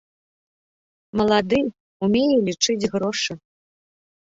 Малады, умее лічыць грошы.